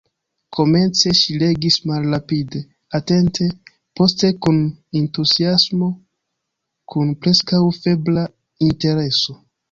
Komence ŝi legis malrapide, atente, poste kun entuziasmo, kun preskaŭ febra intereso.